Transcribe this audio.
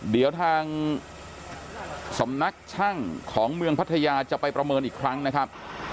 เดี๋ยวทางสำนักช่างของเมืองพัทยาจะไปประเมินอีกครั้งนะครับ